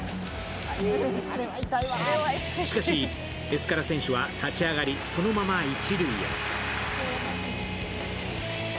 しかし、エスカラ選手は立ち上がり、そのまま一塁へ。